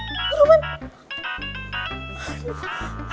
aduh roman gua gua anget gak ya